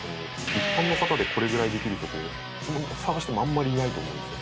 「一般の方でこれぐらいできるって探してもあんまりいないと思うんですよ」